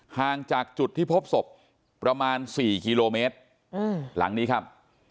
ห่างจากจุดที่พบศพประมาณ๔กิโลเมตรหลังนี้ครับ